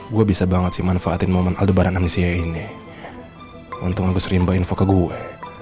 gue bisa banget sih manfaatin momen aldo baran amisya ini untuk ngerimba info ke gue